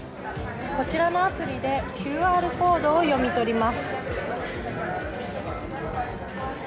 こちらのアプリでＱＲコードを読み取ります。